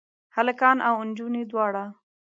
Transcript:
هلکان او انجونې دواړه؟